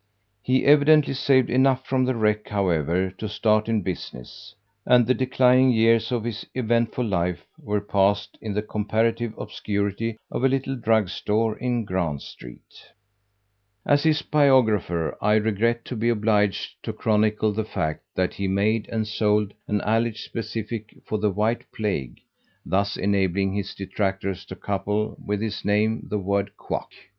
He evidently saved enough from the wreck, however, to start in business, and the declining years of his eventful life were passed in the comparative obscurity of a little drug store in Grand Street. As his biographer I regret to be obliged to chronicle the fact that he made and sold an alleged specific for the White Plague, thus enabling his detractors to couple with his name the word Quack.